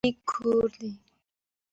قبر د انسان وروستی کور دی.